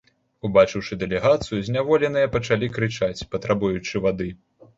Убачыўшы дэлегацыю, зняволеныя пачалі крычаць, патрабуючы вады.